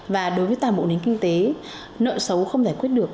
và đối với toàn bộ nền kinh tế nợ xấu không giải quyết được